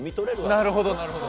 なるほどなるほど。